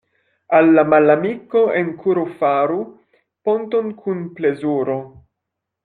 Al la malamiko en kuro faru ponton kun plezuro.